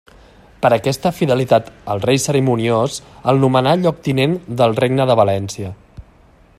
Per aquesta fidelitat el rei Cerimoniós el nomenà lloctinent del Regne de València.